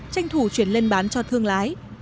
tranh thủ chuyển lên bán cho thương lái